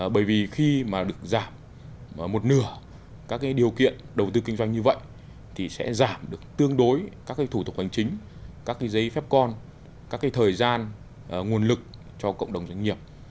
bởi vì khi mà được giảm một nửa các cái điều kiện đầu tư kinh doanh như vậy thì sẽ giảm được tương đối các cái thủ tục hành chính các cái giấy phép con các cái thời gian nguồn lực cho cộng đồng doanh nghiệp